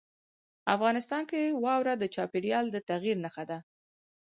افغانستان کې واوره د چاپېریال د تغیر نښه ده.